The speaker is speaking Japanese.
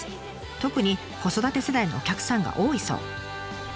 特に子育て世代のお客さんが多いそう。